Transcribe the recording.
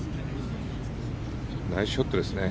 ナイスショットですね。